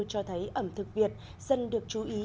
cho thấy ẩm thực việt dần được chú ý